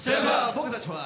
僕たちは。